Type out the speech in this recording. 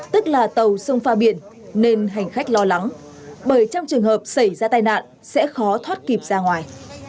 tức là tàu sông pha biển nên hành khách lo lắng bởi trong trường hợp xảy ra tai nạn sẽ khó thoát kịp ra ngoài